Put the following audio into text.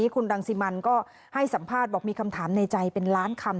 คุณรังสิมันก็ให้สัมภาษณ์บอกมีคำถามในใจเป็นล้านคำ